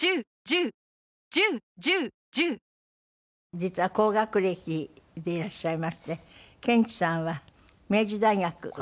実は高学歴でいらっしゃいましてケンチさんは明治大学ご卒業。